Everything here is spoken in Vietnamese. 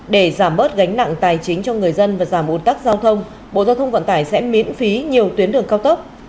để giảm bớt gánh nặng tài chính cho người dân và giảm ồn tắc giao thông bộ giao thông vận tải sẽ miễn phí nhiều tuyến đường cao tốc